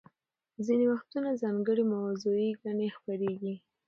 ځینې وختونه ځانګړې موضوعي ګڼې خپریږي.